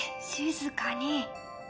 静かに！